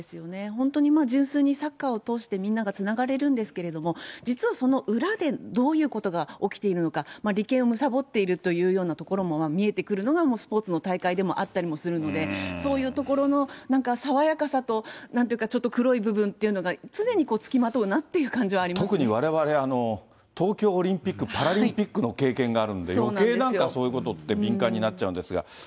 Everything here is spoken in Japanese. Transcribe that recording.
本当に純粋にサッカーを通してみんながつながれるんですけども、実はその裏でどういうことが起きているのか、利権をむさぼっているといういうようなところも見えてくるのが、もうスポーツの大会でもあったりもするので、そういうところの、なんか爽やかさとなんかちょっと黒い部分というのが、常に付きま特にわれわれ、東京オリンピック・パラリンピックの経験があるので、よけいなんかそういうことって、敏感になっちゃうんですが。